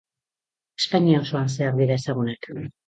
Espainia osoan zehar dira ezagunak.